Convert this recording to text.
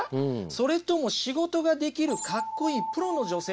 それとも仕事ができるかっこいいプロの女性になりたいんですか？